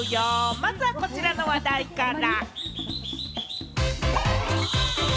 まずは、こちらの話題から。